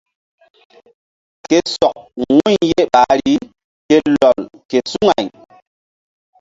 Ke sɔk wu̧y ye ɓahri se ke lɔl ke suŋay.